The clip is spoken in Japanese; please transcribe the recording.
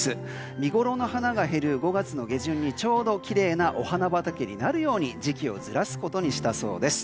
見ごろの花が５月下旬にちょうどお花畑になるように時期をずらすことにしたそうです。